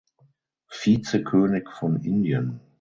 Vizekönig von Indien.